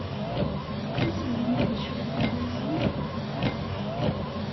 Wissen ma ad icfu fell-asen?